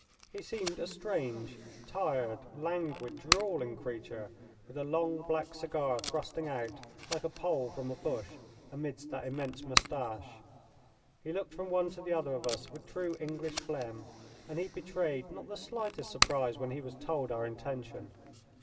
He seemed a strange, tired, languid, drawling creature with a long black cigar thrusting out, like a pole from a bush, amidst that immense moustache. He looked from one to the other of us with true English phlegm, and he betrayed not the slightest surprise when he was told our intention.